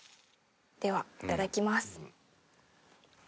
ではいただきます。